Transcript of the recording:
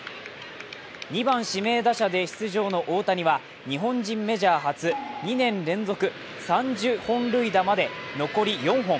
２番指名打者で出場の大谷は日本人メジャー初、２年連続３０本塁打まで残り４本。